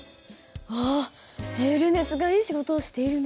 「あっジュール熱がいい仕事をしているね」とか言われてもね。